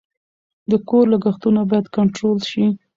د کور لګښتونه باید کنټرول شي.